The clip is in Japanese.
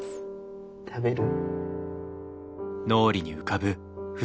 食べる？